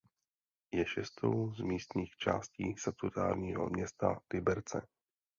Je šestou z místních částí statutárního města Liberce.